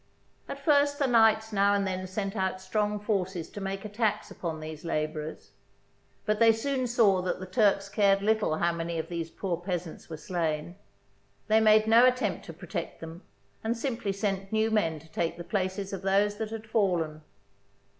At first the knights now and then sent out strong forces to make attacks upon these labourers, but they soon saw that the Turks cared little how many of these poor peasants were slain. They made no attempt to protect them, and simply sent new men to take the places of those that had fallen.